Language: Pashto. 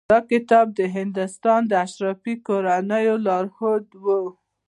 دا کتاب د هندوستان د اشرافي کورنیو لارښود و.